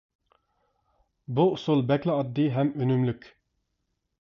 بۇ ئۇسۇل بەكلا ئاددىي ھەم ئۈنۈملۈك.